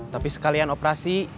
tapi sekalian operasi